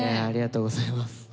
ありがとうございます。